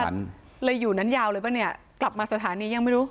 มันเลยอยู่นั้นยาวเลยป่ะเนี่ยกลับมาสถานียังไม่รู้